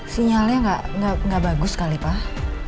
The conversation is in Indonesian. sinyalnya nggak bagus kali pak